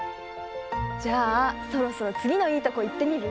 じゃあそろそろつぎのいいとこいってみる？